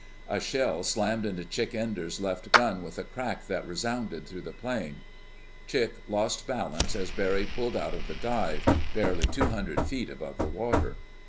A shell slammed into Chick Enders' left gun with a crack that resounded through the plane. Chick lost balance as Barry pulled out of the dive, barely two hundred feet above the water.